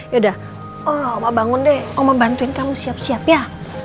yaudah oma bangun deh oma bantuin kamu siap siap ya